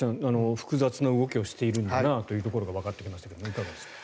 複雑な動きをしているんだなというところがわかってきましたがいかがですか。